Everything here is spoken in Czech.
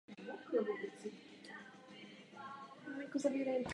Bude to složitá politika.